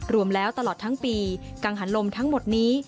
รวมแล้วตลอดทั้งปีกังหันลมทั้งหมดนี้